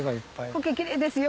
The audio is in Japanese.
苔キレイですよ